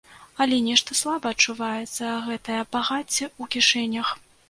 Але нешта слаба адчуваецца гэтае багацце ў кішэнях.